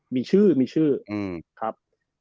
มีชื่อมีชื่อครับ